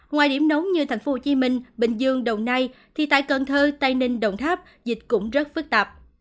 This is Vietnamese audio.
ngoài điểm nóng như thành phố hồ chí minh bình dương đồng nai thì tại cần thơ tây ninh đồng tháp dịch cũng rất phức tạp